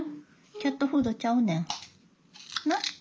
キャットフードちゃうねんな？